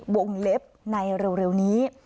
วงเล็บในเร็วนี้